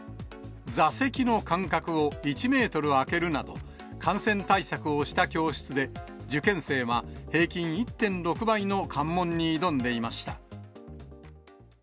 座席の間隔を１メートル空けるなど、感染対策をした教室で、受験生は平均１．６倍の関門に挑んでいました。